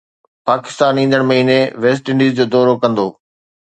پاڪستان ايندڙ مهيني West Indies جو دورو ڪندو